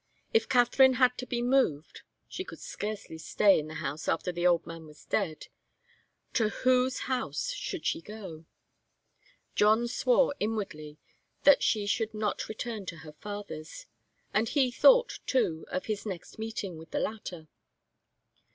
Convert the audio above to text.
If Katharine had to be moved, she could scarcely stay in the house after the old man was dead, to whose house should she go? John swore, inwardly, that she should not return to her father's. And he thought, too, of his next meeting with the latter.